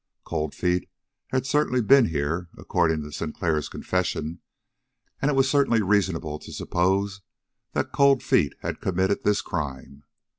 Cold Feet had certainly been here according to Sinclair's confession, and it was certainly reasonable to suppose that Cold Feet had committed this crime.